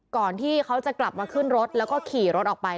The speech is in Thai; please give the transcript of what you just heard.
ก่อนที่เขาจะกลับมาขึ้นรถแล้วก็ขี่รถออกไป